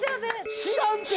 知らんて。